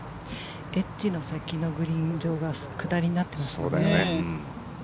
エッジの先のグリーン上が下りになってますね。